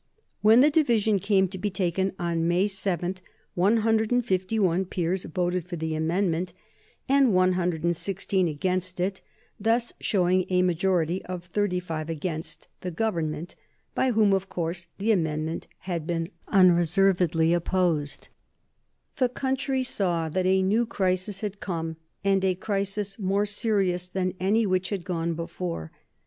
When the division came to be taken on May 7, 151 peers voted for the amendment and 116 against it, thus showing a majority of 35 against the Government, by whom of course the amendment had been unreservedly opposed. The country saw that a new crisis had come, and a crisis more serious than any which had gone before.